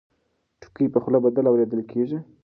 ټکي په خوله بدل اورېدل کېږي.